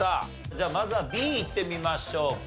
じゃあまずはＢいってみましょうか。